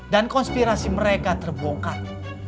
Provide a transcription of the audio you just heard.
dan konspirasi mereka terbongkar